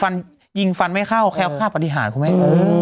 ฟันยิงฟันไม่เข้าแควะผ้าปฏิหารครับคุณแม่